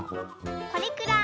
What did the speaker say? これくらい。